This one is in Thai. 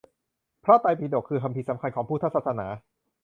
พระไตรปิฎก คือคัมภีร์สำคัญของพุทธศาสนา